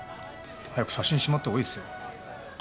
早く写真しまった方がいいですよ。